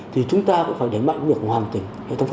thì chúng ta cũng phải đẩy mạnh việc hoàn tỉnh